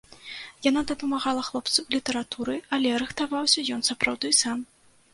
Яна дапамагала хлопцу літаратурай, але рыхтаваўся ён сапраўды сам.